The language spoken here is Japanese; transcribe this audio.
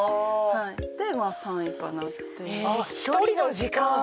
でまあ３位かなっていう。